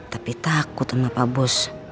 tapi takut sama pak bos